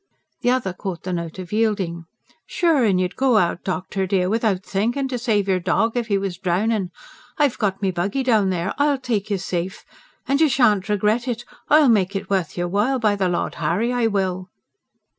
The other caught the note of yielding. "Sure an' you'd go out, doctor dear, without thinkin', to save your dog if he was drownin'. I've got me buggy down there; I'll take you safe. And you shan't regret it; I'll make it worth your while, by the Lord Harry I will!"